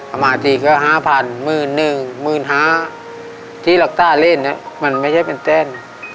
อามาจีก็ห้าพันมื้นหนึ่งมื้นห้าที่รักษาเล่นมันไม่ใช่เป็นแจ้น